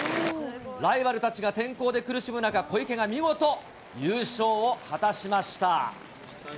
ライバルたちが天候で苦しむ中、小池が見事、優勝を果たしました。